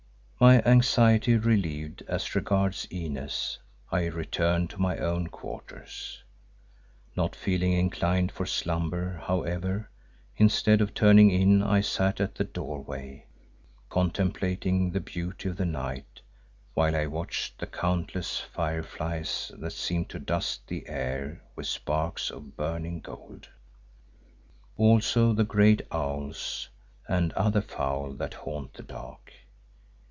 My anxiety relieved as regards Inez, I returned to my own quarters. Not feeling inclined for slumber, however, instead of turning in I sat at the doorway contemplating the beauty of the night while I watched the countless fireflies that seemed to dust the air with sparks of burning gold; also the great owls and other fowl that haunt the dark.